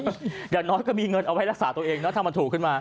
เดี๋ยวน้อยก็มีเงินเอาไว้รักษาตัวเองน้อยทำมาถูกขึ้นมา